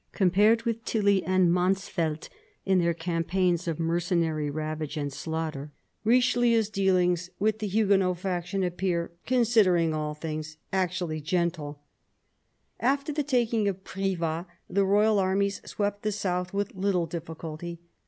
Compared with Tilly and Mansfeldt in their campaigns of mercenary ravage and 200 CARDINAL DE RICHELIEU slaughter, Richelieu's dealings with the Huguenot faction appear, considering all things, actually gentle. After the taking of Privas, the royal armies swept the south with little difficulty.